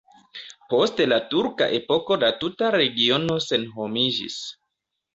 Post la turka epoko la tuta regiono senhomiĝis.